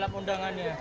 di dalam undangannya